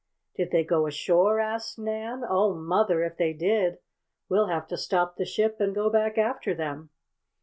"Did they go ashore?" asked Nan. "Oh, Mother! if they did we'll have to stop the ship and go back after them!"